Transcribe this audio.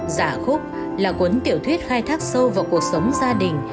giả khúc là cuốn tiểu thuyết khai thác sâu vào cuộc sống gia đình